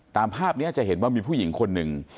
ตามภาพนี้จะเห็นว่ามีผู้หญิงคนหนึ่ง